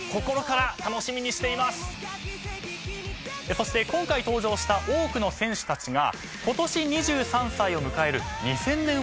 そして今回登場した多くの選手たちが今年２３歳を迎える２０００年生まれ。